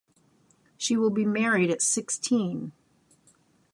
She will be married at sixteen!